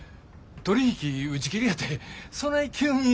取り引き打ち切りやてそない急に。